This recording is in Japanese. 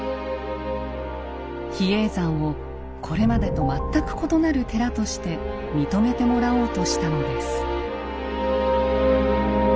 比叡山をこれまでと全く異なる寺として認めてもらおうとしたのです。